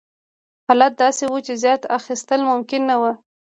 حالت داسې و چې زیات اخیستل ممکن نه وو.